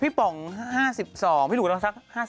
พี่ป่อม๕๒พี่หกกำลังชัก๕๐